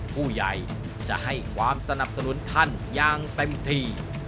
ผู้ใหญ่จะให้ความสนับสนุนท่านอย่างเต็มที่